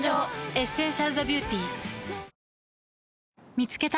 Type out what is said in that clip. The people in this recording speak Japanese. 「エッセンシャルザビューティ」見つけた。